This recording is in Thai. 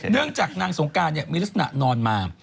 เนื่องจากนางสงการมีลักษณะนอนมา